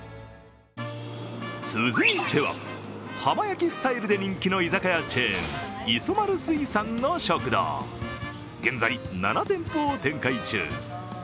続いては、浜焼きスタイルで人気の居酒屋チェーン、磯丸水産の食堂、現在７店舗を展開中。